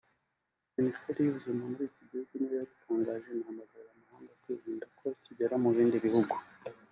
Minisiteri y’ ubuzima muri iki gihugu niyo yabitangaje inahamagarira amahanga kwirinda ko kigera mu bihugu bihugu